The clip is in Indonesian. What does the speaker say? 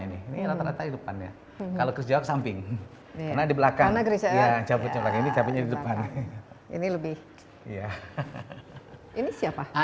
ini nih rata rata di depannya kalau kejauh samping karena di belakang ini lebih ini siapa